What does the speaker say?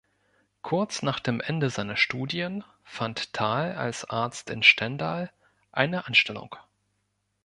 Kurz nach dem Ende seiner Studien fand Thal als Arzt in Stendal eine Anstellung.